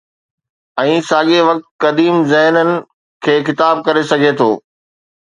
۽ ساڳئي وقت قديم ذهن کي خطاب ڪري سگهي ٿو.